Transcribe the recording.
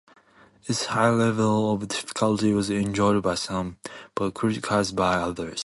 Its high level of difficulty was enjoyed by some, but criticized by others.